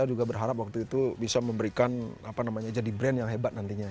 saya juga berharap waktu itu bisa memberikan apa namanya jadi brand yang hebat nantinya